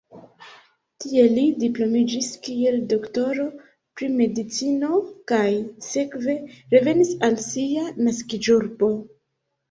Tie li diplomiĝis kiel doktoro pri medicino kaj sekve revenis al sia naskiĝurbo.